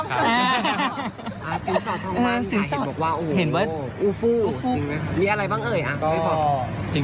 สินสอดทั้งหมดมีอะไรบ้างเอ๋ย